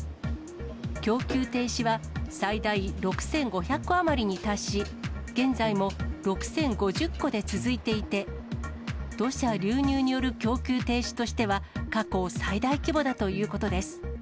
供給停止は最大６５００戸余りに達し、現在も６０５０戸で続いていて、土砂流入による供給停止としては、過去最大規模だということです。